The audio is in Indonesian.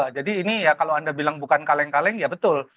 jadi ini ya kalau anda bilang bukan kaleng kaleng ya betul